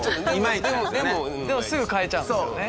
田中：でもすぐ変えちゃうんですよね。